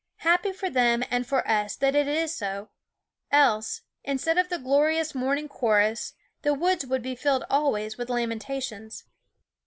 Happy for them and for us that it is so; else, instead of the glorious morning chorus, the woods would be filled always with lamentations.